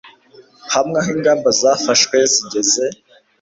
hamwe aho ingamba zafashwe zigeze